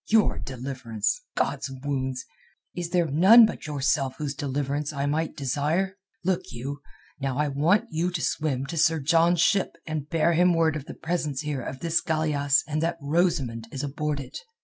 Your deliverance! God's wounds! Is there none but yourself whose deliverance I might desire? Look you, now I want you to swim to Sir John's ship and bear him word of the presence here of this galeasse and that Rosamund is aboard it.